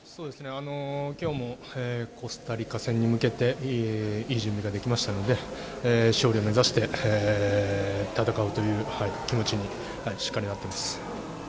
今日もコスタリカ戦に向けていい準備ができましたので勝利を目指して戦うという気持ちにしっかりなっています。